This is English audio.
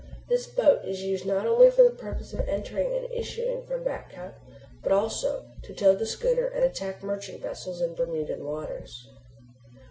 This boat is used not only for the purpose of entering and issuing from Back Cup, but also to tow the schooner and attack merchant vessels in Bermudan waters.